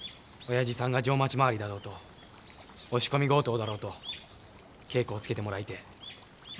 親父さんが定町廻りだろうと押し込み強盗だろうと稽古をつけてもらいてえ。